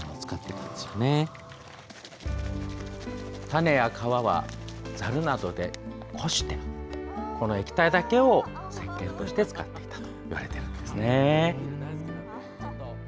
種や皮はざるなどでこしてこの液体だけを、せっけんとして使っていたといわれています。